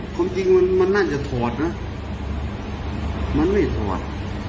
ความจริงมันน่าจะถอดนะมันไม่ถอด